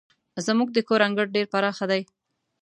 زموږ د کور انګړ ډير پراخه دی.